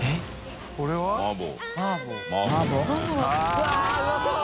うわぁうまそう！